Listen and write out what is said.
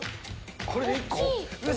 これで１個？